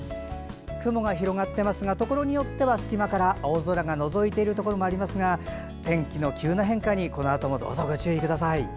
雲が広がっていますがところによっては隙間から青空がのぞいているところもありますが天気の急な変化にこのあともどうぞご注意ください。